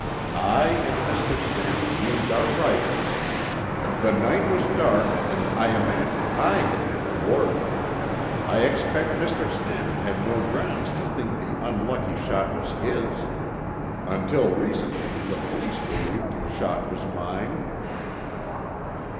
"I and Mr. Stannard used our rifles. The night was dark and I imagined I had hit the warden. I expect Mr. Stannard had no grounds to think the unlucky shot was his. Until recently, the police believed the shot was mine."